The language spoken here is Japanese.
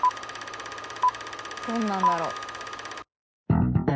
どんなんだろう？